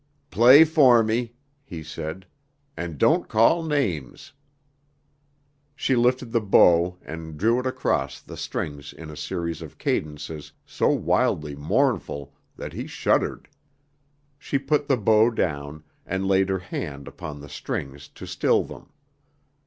"Play for me," he said, "and don't call names." She lifted the bow and drew it across the strings in a series of cadences so wildly mournful that he shuddered. She put the bow down, and laid her hand upon the strings to still them.